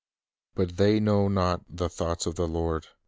But they know not the thoughts of the Lord, neither 'Jer.